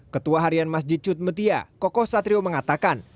ketua harian masjid cut mutia koko satrio mengatakan